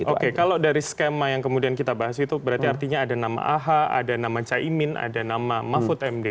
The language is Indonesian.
oke kalau dari skema yang kemudian kita bahas itu berarti artinya ada nama aha ada nama caimin ada nama mahfud md